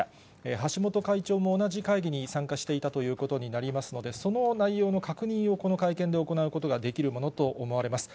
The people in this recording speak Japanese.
橋本会長も同じ会議に参加していたということになりますので、その内容の確認をこの会見で行うことができるものと思われます。